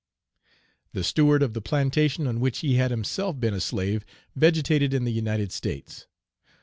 Page 128 The steward of the plantation on which he had himself been a slave vegetated in the United States.